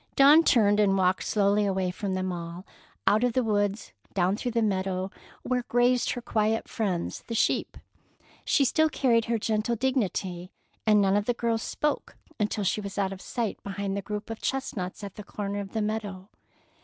Dawn turned and walked slowly away from them all, out of the woods, down through the meadow, where grazed her quiet friends, the sheep. She still carried her gentle dignity, and none of the girls spoke until she was out of sight behind the group of chestnuts at the corner of the meadow.